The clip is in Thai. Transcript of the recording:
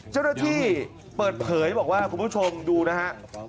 เจ้าหน้าที่เปิดเผยบอกว่าคุณผู้ชมดูนะฮะ